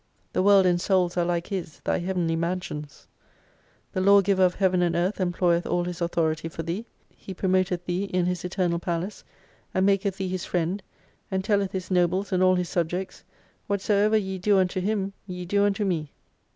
The world and souls are like His, thy heavenly mansions. The Law giver of Heaven and Earth employeth all His authority for thee. He promoteth thee in His eternal palace, and maketh thee His friend, and telleth His nobles and all His subjects, Whatsoever ye do unto him ye do unto Me.